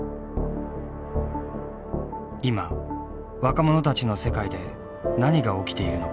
今若者たちの世界で何が起きているのか。